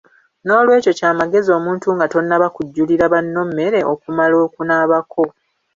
N'olwekyo kya magezi omuntu nga tonnaba kujjulira banno mmere okumala okunaabako.